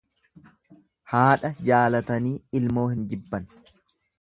Haadha jaalatanii ilmoo hin jibban.